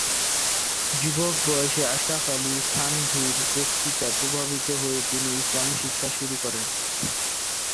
যুবক বয়সে আশরাফ আলী থানভীর বক্তৃতায় প্রভাবিত হয়ে তিনি ইসলামি শিক্ষা শুরু করেন।